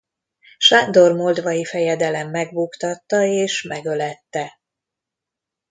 Sándor moldvai fejedelem megbuktatta és megölette.